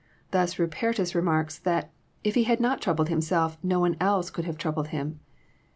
Thus Rupertus remarks that *' if He had not troubled Himself, no one else could have troubled Him."